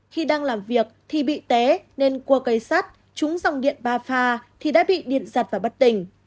khi đang làm việc thì bị té nên cua cây sắt trúng dòng điện ba pha thì đã bị điện giật và bất tình